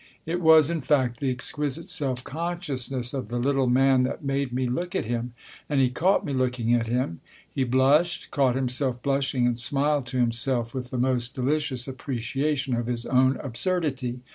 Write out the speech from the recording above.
It was, in fact, the exquisite self consciousness of the little man that made me look at him. And he caught me looking at him ; he blushed, caught himself blushing and smiled to himself with the most delicious appreciation of his own absurdity.